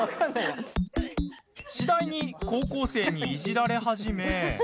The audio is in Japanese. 次第に高校生にいじられ始め。